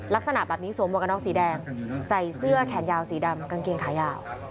ลักษณะแบบนี้สวมหัวกระน็อกสีแดงใส่เสื้อแขนยาวสีดำกางเกงขายาว